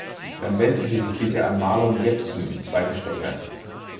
Dann wenden Sie sich bitte an Marlon Jepsen im zweiten Stockwerk.